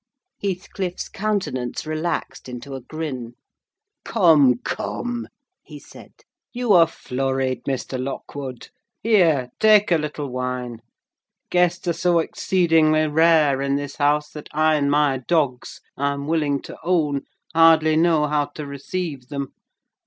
Heathcliff's countenance relaxed into a grin. "Come, come," he said, "you are flurried, Mr. Lockwood. Here, take a little wine. Guests are so exceedingly rare in this house that I and my dogs, I am willing to own, hardly know how to receive them.